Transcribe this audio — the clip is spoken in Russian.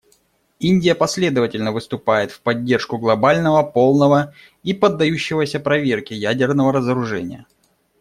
Индия последовательно выступает в поддержку глобального, полного и поддающегося проверке ядерного разоружения.